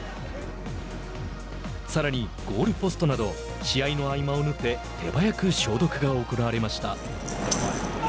さらにゴールポストなど試合の合間を縫って手早く消毒が行われました。